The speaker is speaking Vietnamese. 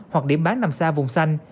hoặc điểm bán nằm xa vùng xanh